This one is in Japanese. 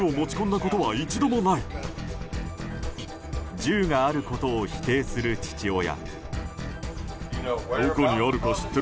銃があることを否定する父親。